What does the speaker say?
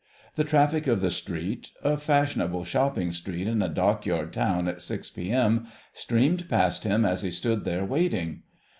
The traffic of the street, a fashionable shopping street in a Dockyard town at 6 P.M., streamed past him as he stood there waiting.